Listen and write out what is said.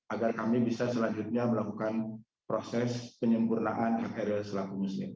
agar kami bisa selanjutnya melakukan proses penyempurnaan hak ariel selaku muslim